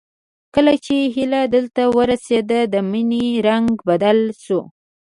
کله چې هيله دلته ورسېده د مينې رنګ بدل شو